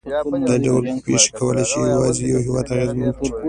دا ډول پېښې کولای شي یوازې یو هېواد اغېزمن کړي.